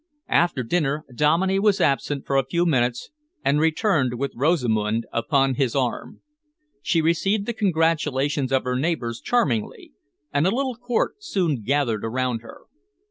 After dinner, Dominey was absent for a few minutes and returned with Rosamund upon his arm. She received the congratulations of her neighbours charmingly, and a little court soon gathered around her.